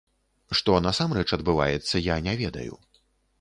Што насамрэч адбываецца, я не ведаю.